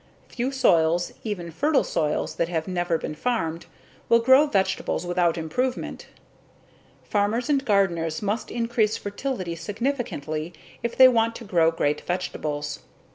Few soils, even fertile soils that have never been farmed, will grow vegetables without improvement. Farmers and gardeners must increase fertility significantly if they want to grow great vegetables.